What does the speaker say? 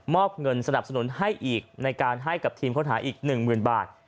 อบเงินสนับสนุนให้อีกในการให้กับทีมค้นหาอีก๑๐๐๐บาท